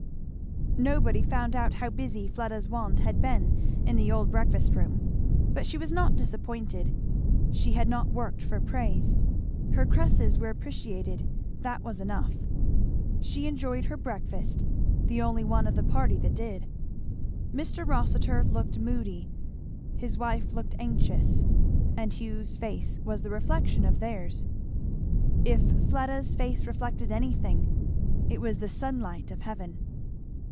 Nobody found out how busy Fleda's wand had been in the old breakfast room. But she was not disappointed; she had not worked for praise. Her cresses were appreciated; that was enough. She enjoyed her breakfast, the only one of the party that did. Mr. Rossitur looked moody; his wife looked anxious; and Hugh's face was the reflection of theirs. If Fleda's face reflected anything it was the sunlight of heaven.